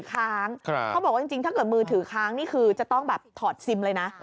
ค้างเขาบอกว่าจริงถ้าเกิดมือถือค้างนี่คือจะต้องแบบถอดซิมเลยนะ